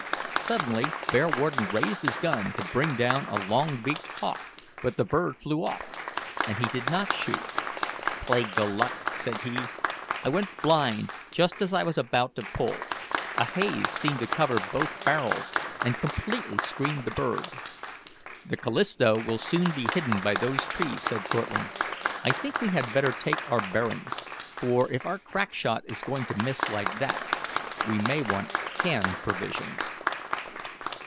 Suddenly Bearwarden raised his gun to bring down a long beaked hawk; but the bird flew off, and he did not shoot. "Plague the luck!" said he; "I went blind just as I was about to pull. A haze seemed to cover both barrels, and completely screened the bird." "The Callisto will soon be hidden by those trees," said Cortlandt. "I think we had better take our bearings, for, if our crack shot is going to miss like that, we may want canned provisions."